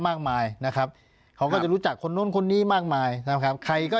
มากมายนะครับเขาก็จะรู้จักคนนู้นคนนี้มากมายนะครับใครก็